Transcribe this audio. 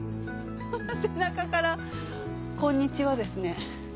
背中からこんにちはですね。